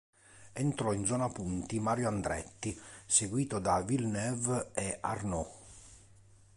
Entrò in zona punti Mario Andretti, seguito da Villeneuve e Arnoux.